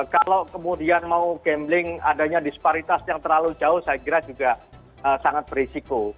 kalau kemudian mau gambling adanya disparitas yang terlalu jauh saya kira juga sangat berisiko